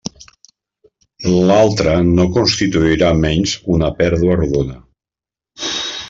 L'altra no constituirà menys una pèrdua rodona.